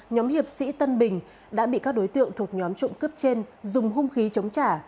nhóm hiệp sĩ tân bình đã bị các đối tượng thuộc nhóm trộm cướp trên dùng hung khí chống trả